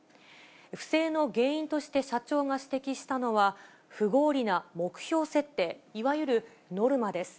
不正の原因として社長が指摘したのは、不合理な目標設定、いわゆるノルマです。